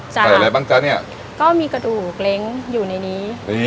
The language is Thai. ใส่อะไรบ้างจ๊ะเนี่ยก็มีกระดูกเล้งอยู่ในนี้